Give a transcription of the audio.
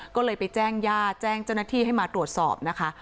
ก็เลยไปแจ้งญาติแจ้งเจ้าหน้าที่ให้มาตรวจสอบนะคะ